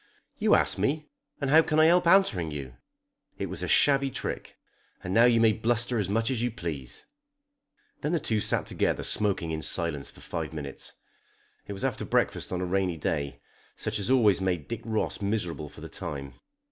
"You ask me, and how can I help answering you? It was a shabby trick. And now you may bluster as much as you please." Then the two sat together, smoking in silence for five minutes. It was after breakfast on a rainy day, such as always made Dick Ross miserable for the time.